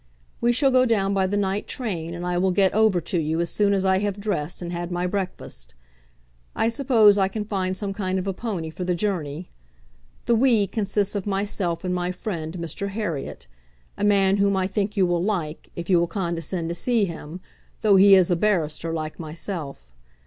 We shall go down by the night train, and I will get over to you as soon as I have dressed and had my breakfast. I suppose I can find some kind of a pony for the journey. The 'we' consists of myself and my friend, Mr. Herriot, a man whom I think you will like, if you will condescend to see him, though he is a barrister like myself.